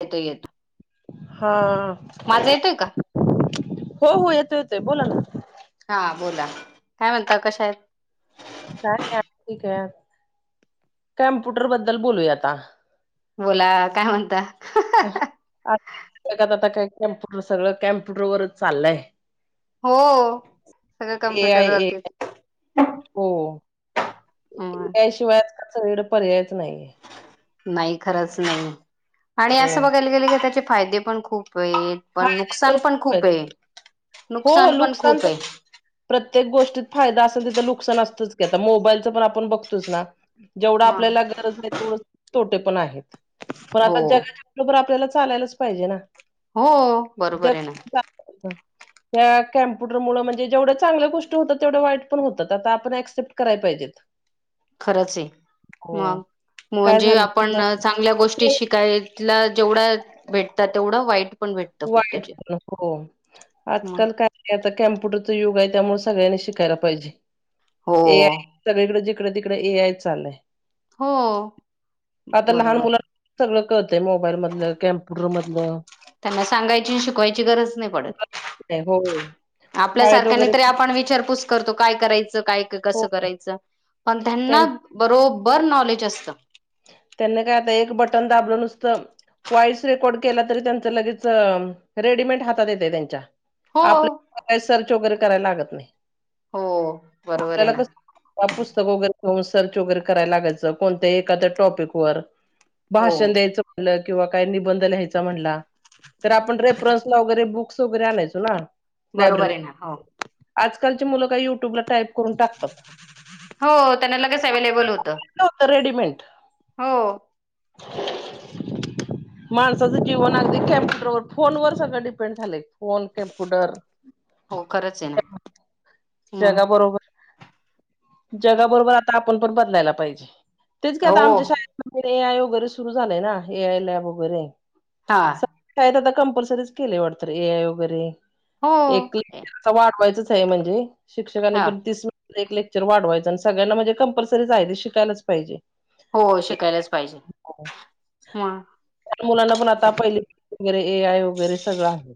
येतो येतो. हा माझा येतोय का? हो हो येतो येतोय बोला ना. हा बोला काय म्हणता कशा आहेत. का नाही ठीक हाय काम्प्युटर बद्दल बोलूया आता. बोला काय म्हणता? [unintelligible] आता काय कॅम्प्युटर सगळं कॅम्प्युटर वरच चाललंय. हो सगळं ए आय कम्प्युटर ए वरतीच. हो हो हम्म याशिवायच आज काल पर्यायच नाहीये. नाही खरंच नाही आणि हो असं बघायला गेलं की त्याचे फायदे पण खूप हइत. पण फायदे नुकसान पण खूप आहेत खूपे हो नुकसान पण तर खूपे प्रत्येक गोष्टीत फायदा असेल तिथं नुकसान असतंच क आता मोबाईलचं पण आपण बघतोच ना? जेवढा आपल्याला गरज आहे तेवढेच तोटे पण आहेत पण हो आता जगाच्या बरोबर आपल्याला चालायलाच पाहिजे ना? हो बरोबर आहे ना. [inaudible] त्या कॅम्प्युटर मुळ म्हणजे जेवढ चांल्या गोष्ट होतात तेवढं वाईट पण होतात आता आपण ऍक्सेप्ट कराय पाहिजेत. खरंचेय हो. मग काय म्हणजे झालं आपण चांगल्या गोष्टी शिकाय यला जेवढ्या भेटतात तेवढं वाईट पण भेटतं खूप वाईट त्याचे पण हो आजकाल काय आता कॅम्प्युटरच युग हाय त्यामुळे सगळ्यांनी शिकायला पाहिजे हो ए आय सगळीकड जिकड तिकड ए आय चाललंय हो आता लहान बरोबर मुला सगळं कळतय मोबाईल मधलं कम्प्युटर मधलं. त्यांना सांगायची शिकवायची गरज नाही पडत. हो आपल्या शाळेत सारख्यांना वगैरे तरी आपण विचारपूस करतो काय करायचं काय हो कसं करायचं पण त्यां त्यांना बरोबर नॉलेज असतं. त्यांना काय आता एक बटन दाबलं नुसतं वॉईस रेकॉर्ड केला तरी त्यांच लगेच रेडीमेंट हातात येतेय त्यांच्या हो आपल्या काय सर्च वगैरे करायला लागत नाही हो बरोबर आहे आपल्याला ना कस ह पुस्तक वगैरे घेऊन सर्च वगैरे करायला लागायचं कोणत्या एखाद्या टॉपिक वर हो भाषण द्यायचं म्हणलं किंवा काही निबंध लिहायचा म्हणला तर आपण रेफरन्सला वगैरे बुक -क्स वैगेरे अणायचो ना? बरोबर आहे लायब्ररीत ना हो. आजकालची मुलं काय युट्यूबला टाईप करून टाकतात हो त्यांना लगेच अवेलेबल होत. लोतं रेडीमेंट हो. [inaudible] माणसाचं जीवन अगदी कम्प्युटरवर फोनवर सगळं डिपेंड झालंय फोन कॅम्प्युटर हो खरंच आहे ना. जगाबरोबर जगाबरोबर आता आपण पण बदलायला पाहिजे तेच का आता हो आमच्या शाळेतमध्येर ए आय वगैरे सुरु झालंय ना ए आय लॅब वगैरे हां काय तर आता कंपल्सरीच केले वाटत ए आय वगैरे एक हो ता वाटवायचंच आहे म्हणजे शिक्षकाने हा पण तीस एक लेक्चर वाढवायचं आणि सगळ्यांना म्हणजे कंपल्सरी जा आहेये शिकायलाच पाहिजे हो शिकायलाच पाहिजे लहान हा मुलांना पण आता पहिले वगैरे ए आय वगैरे सगळं आहे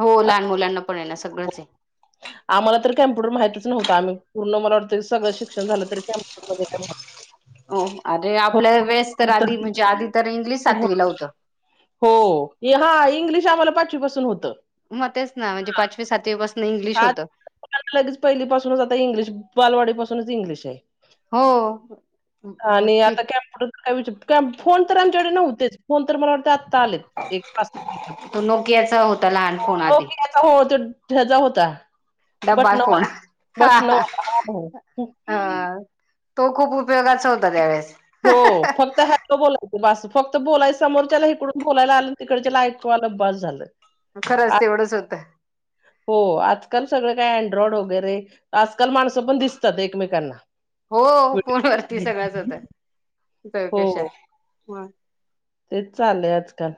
हो लहान मुलांना पण ये ना सगळंच आहे आम्हाला तर कम्प्युटर माहितीच नव्हता आम्ही पूर्ण मला वाटतय सगळं शिक्षण झालं तरी पण का हो अरे आपल्या वेळेस तर आधी म्हणजे आधी तर इंग्लिश सातवी ला होतं हो हा इंग्लिश आम्हाला पाचवीपासुन होतं मग तेच ना म्हणजे पाचवी सातवीपासून इंग्लिश होतं ला लगेच पहिली पाासूनच आता इंग्लिश बालवाडी पाासूनच इंग्लिश आहे आणि आता हो कॅम्प्युटर फोन तर आमच्याकडे नव्हतेच फोन तर मला वाटतं ले तो नोकियाचा होता लहान फोन आधी हो बट डब्बा नवा फोन. हा बट हा नवा अ तो खूप उपयोगाचा होता त्यावेेळेस हो फक्त हॅलो बोलायचं बसू फक्त बोलाय समोरच्याला इकडून बोलायला आलं तिकडच लाईटकवालं बंद झालं आ खरंच तेवढंच होतं हो आजकाल सगळं काय अँड्रॉइड वगैरे आजकाल माणसं पण दिसतात एकमेकांना हो कोण वरती सगळंच होत चौकशा हो तेच चालय आजकाल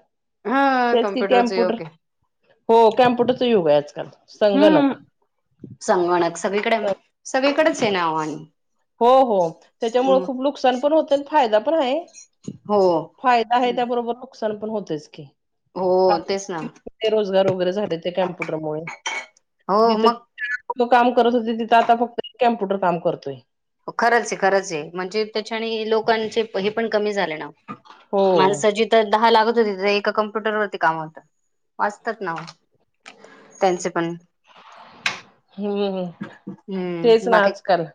हा तेच कि कम्प्युटरच कम्प्युटर योग आहे हो कॅम्प्युटरच युग आहे आजकाल संग हम्म. नका संगणक सगळीकडे सगळीकडेच आहे नाव आणि हो हो त्याच्यामुळे खूप नुकसान पण होत आणि फायदा पण हाय हो. फायदा आहे त्याबरोबर नुकसान पण होतयच की हो तेच ना रोजगार वगैरे झाले ते कम्प्युटरमुळे हो मग लोक काम करत होते तिथं आता फक्त कम्प्युटर काम करतोय खरंच आहे खरंच आहे म्हणजे त्याच्याने लोकांचे हे पण कमी झाले ना हो माणसं जिथं धा लागत होती एका कम्प्युटर वरती काम होतं वाचतात ना त्यांचे पण हम्म तेच हम्म ना बाकी आजकाल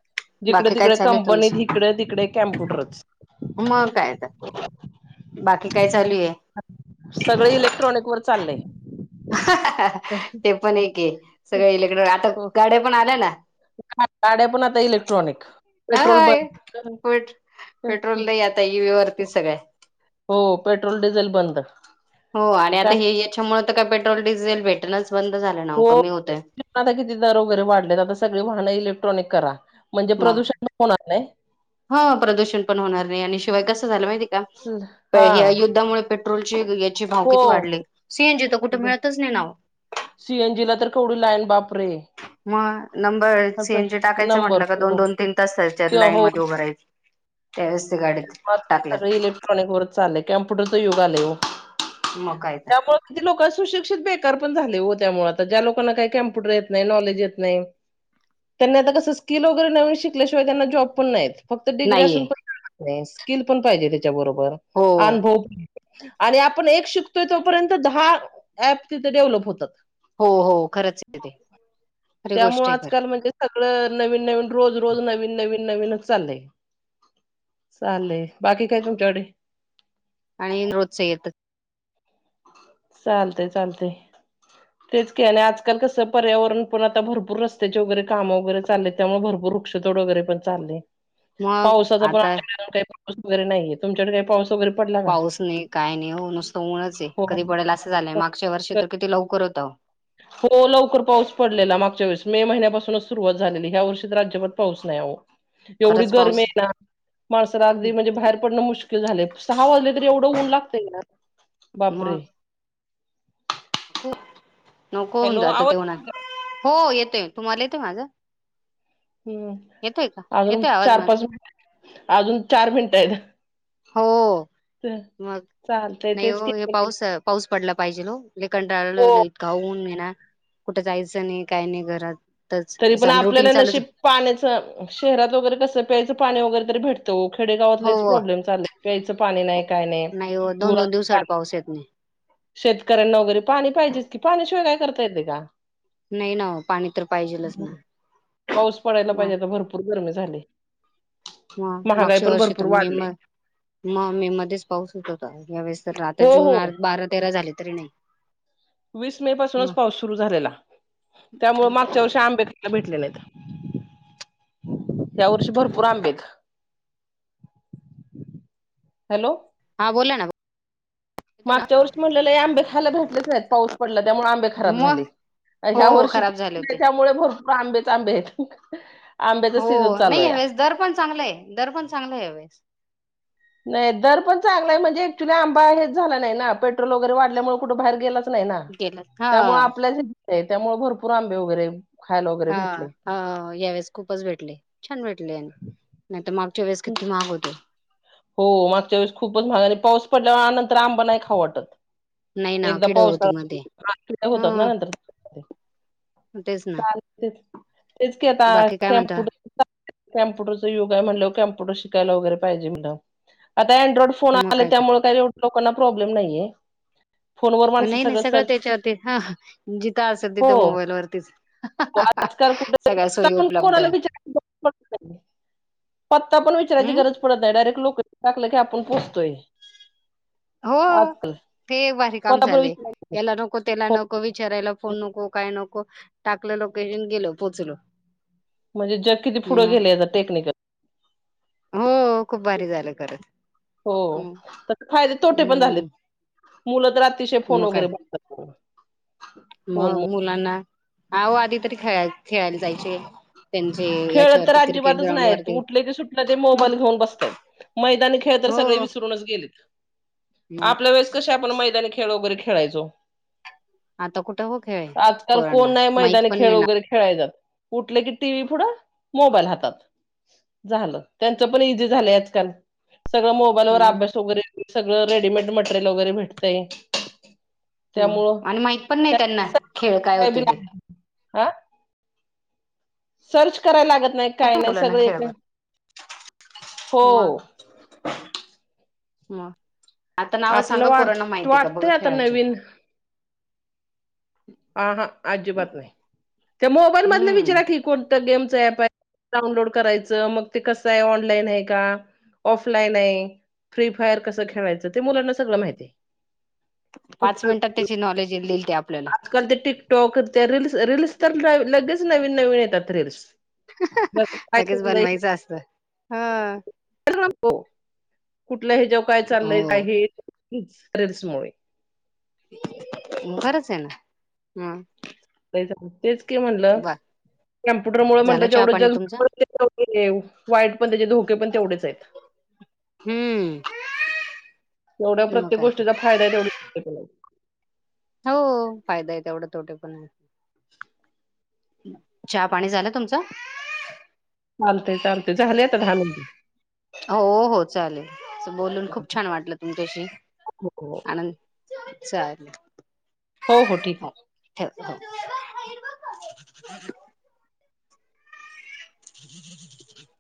जिकड बाकी काय तिकड चालू आहे कंपनीत तुमचं हिकड तिकडे कम्प्युटरच मग काय तर बाकी काय चालू आहे सगळे इलेक्ट्रॉनिक वर चाललय हा हा ते पण एके सगळे इलेक्ट्रॉनिक आता हो गाड्या पण आल्या ना गाड्या पण आता इलेक्ट्रॉनिक पेट्रोल होय बंद ई व वरती सगळ्या हो पेट्रोल डिझेल बंद हो आणि आता काय हे याच्यामुळे तर काय पेट्रोल डिझेल भेटणंच बंद झालं ना हो कमी होतं आता किती दर वगैरे वाढलेत आता सगळी वाहनं इलेक्ट्रॉनिक करा म्हणजे मग प्रदूषण पण होणार नाही हा प्रदूषण पण होणार नाही आणि शिवाय कसं झालं माहितीय का हा या युद्धामुळे पेट्रोलचे याचे भाव हो. किती वाढले सीएनजी तर कुठे मिळतच नाही नाव सीएनजी ला तर केवढी लाईन बापरे मग नंबर सेंजे टाकायचं म्हट नंबर आपल्या का दोन दोन, तीन तास ते लाईन हो मध्ये उभरायच, त्या वळेस ते गाडीत टाकल. चाल कमप्युटरचा युग आलंय वो. मग काय? त्यामुळे किती लोक सुशिक्षित बेका पण झाले हो त्यामुळे आता ज्या लोकांना काही कम्प्युटर येत नाही, नॉलेज येत नाही. त्यांनी आता कसं स्किल वगैरे नवीन शिकल्याशिवाय त्यांना जॉब पण नाहीत. फक्त डिग्री नाहीये असून पण नाही स्किल पण पाहिजे त्याच्याबरोबर हो अनुभव आणि आपण एक शिकतोय तोपर्यंत दहा ऍप तिथे डेव्हलप होतात. हो हो खरंच यते. त्यामुळ आजकाल म्हणजे सगळं नवीन नवीन रोज रोज नवीन नवीन नवीनच चाललंय. चाले. बाकी काय तुच्याकडे? आणि रोजच येत. चालतय चालतय. तेच की आणि आजकाल कसं पर्यावरण पण आता भरपूर रस्त्याचे वगैरे कामं वगैरे चालेत. त्यामुळे भरपूर वृक्षतोड वगैरे पण चालय. मग पावसाचा पण आता का पाऊस वगैरे नाहीे तुमच्याकडे काय पाऊस? वगैरे पडला का? पाऊस नाही काय नाही नुसतं ऊनच आहे, हो. कधी पडेल असं झालंय. मागच्या वर्षी तर किती लवकर होत. हो. लवकर पाऊस पडलेला मागच्या वेळेस मे महिन्यापासूनच सुरुवात झालेली. ह्या वर्षी तर अजिबात पाऊस नाही हो. एवढी खरंच गर्मी पाऊस आहे ना. माणसाला अगदी म्हणजे बाहेर पडणं मुश्किल झालंय. सहा वाजले तरी एवढं ऊन लागतंय ना. बापरे! खू नको होऊन हॅलो जातो आवाज ते उन्हात. येतोय? हो येतोय. तुम्हाला येतोय माझं? हम्म. का अजून येतोय आवाज चार, माझा पाच मिनट अजून चार मिनट आहेत. हो. मग चालतय नाही तेच हो की हे पाऊस पाऊस पडला पाहिजेल वो लय हो कंटाळलोय इतका ऊन येे ना. कुठे जायचं नाही काय नाही घरातच अस रुटीन चालूच पाण्याच शहरात वगैरे कसं प्यायचं पाणी वगैरे तरी भेटत वो. खेडेगावात हो लयच हो. प्रॉब्लेम चालय. प्यायचं पाणी नाही काय नाही हो दोन गुरात दोन दिवसाआड पाऊस येत नही. शेतकऱ्यांना वगैरे पाणी पाहिजेच की पाणी शिवाय काय करता येते का? नाही ना हो, पाणी तर पाहिजेलच ना पाऊस पडायला मग पाहिजे आता भरपूर गरमी झाली. हा. महागाई मागच्या पण वर्षी भरपूर तुम्ही म वाढली मग मे मध्येच पाऊस होत होता यावेेळेस तर आता हो जून हो बारा, तेरा झाले तरी नाही. वीस मे पासूनच हं. पाऊस सुरू झालेला. त्यामुळे मागच्या वर्षी आंबे का भेटले नाहीेत? या वर्षी भरपूर आंबे हायत. हॅलो. हा बोला ना. येतोय ना मागच्या वर्षी म्हटलेल आंबे खायला भेटलेच नाहीत. पाऊस पडला त्यामुळे आंबे खराब झाले. मग हो ह्या वर्षी खराब झाले होते. त्यामुळे भरपूर आंबेच आंबे आहेत. आंब्याचा हो. सीझन चालू नाही आहे. ह्यावेळेस दर पण चांगला आहे, दर पण चांगला आहे ह्यावेळेस. नाही. दर पण चांगलाय म्हणजे ऍक्च्युली आंबा हेच झाला नाही ना पेट्रोल वगैरे वाढल्यामुळे कुठ बाहेर गेला च नाही ना. गेलं त्यामुळे हा. आपल्या त्यामुळे भरपूर आंबे वगैरे खायला वगैरे हा. भेटले. हावो यावेळेस खूपच भेटले, छान भेटले. नाही तर मागच्या वेळेस किती महाग होते? हो. मागच्या वेळेस खूपच महाग आणि पाऊस पडल्या नंतर आंबा नाही खाऊ वाटत. नाही ना एकदा किड होती मध्ये पावसाळा होतात ना हा नंतर तेच ना चालतय ते तेच की आता बाकी काय म्हणता कंप्यूटर कम्प्युटरचं युग आहे म्हणलं कॅम्प्युटर शिकायला वगैरे पाहिजे म आता अँड्रॉइड फोन मग आले काय ते त्यामुळे काही लोकांना प्रॉब्लेम नाहीये. फोनवर माणसं नाही नाही सगळं सर्च त्याच्यावरती ह जिथं असं हो तिथं मोबाईल वरतीच आजकाल कुठ सगळ्या त सोयी उपलब्ध कोनाला [unintelligible] आ पत्ता पण विचारयची हम् गरज पडत नाही डायरेक्ट लोकशन टाकलं की आपण पोचतोय हो ते एक भारी काम पण झाले विचार याला नको त्याला हो नको विचारायला कोण नको काय नको टाकलं लोकेशन गेलो पोचलो म्हणजे जग किती पुढे हम्म. गेले टेक्निकल हो खूप भारी झालं खरंच हो हम्म त फायदे तोटे पण झाले हम्म. मुलं तर रात्रीचे फोन मग वगैरे काय ब मग मुलांना अह आधी तरी खेळा खेळायला जायचे त्यांचे खेळ तर याच्यावरती क्रिकेट अजिबातच ग्राउंड नाही वरती उठले क सुटले ते मोबाईल घेऊन बसतयत मैदानी खेळ तर हो सगळे विसरूनच गेलेत मग आपल्या वेळे कसे आपण मैदानी खेळ वगैरे खेळायचो आता कुठं हो खेळ आजकाल कोण पोरांना नाही माहित मैदानी पण खेळ नाही ना वगैरे खेळाय जात कुठले की टी व्ही पुढं मोबाईल हातात झालं त्यांच पण इझी झालं आजकाल सगळं मो बाईल वर म अभ्यास वगैरे सगळ रेडीमेड मटेरियल वगैरे भेटतय ह आणि माहित पण नाही त्यांना खेळ काय होते ते हा सर्च करायला लागत नाही काय नाही मुलांना सगळे खेळावर हो म आता नाव आपल्याला सांगा पोरांना वाट माहिती का बघ वाटतंय आता खेळाच्या नवीन हा हा अजिबात नाही त्या मोबाईल मधले हम्म विचारा क कोणतं गेमच ऍप आहे डाउनलोड करायचं मग ते कसं आहे ऑनलाईन आहे का ऑफलाईन आहे फ्री फायर कसं खेळायचं ते मुलांना सगळं माहिती आहे पाच मिनिटात त्याची नॉलेज लल ते आपल्याला काल ते टिकटॉक त्या रीलल् रीलल्स ट्रा तर लगेच नवीन नवीन येतात रीलस ब काय लगेच बनवायचं असतं. हा प कुठलं हे जेव्हा काय चाललंय हो आहेस मु बरंच आहे ना हम तेच क म्हटलं कॅम्प्युटर मुळ म्हणलं झाला चहा जेवढं पाणी ज तुमचा तेवढ वाईट पण त्याचे धोके पण तेवढेच आहेत हम्म तेवढ्या मग प्रत्येक काय गोष्टीचा तर फायदा आहे तेवढा हो फायदा य एवढं तोटे पण आहे चहा पाणी झालं तुमचं चालतेय चालते झालं आता दहा मिनटं हो हो चालेल बोलून खूप छान वाटलं तुमच्याशी हो हो आन चालेल हो हो ठीक आहे हो हो ज ज ज [unintelligible]